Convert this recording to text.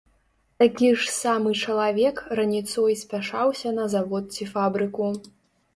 Такі ж самы чалавек раніцой спяшаўся на завод ці фабрыку.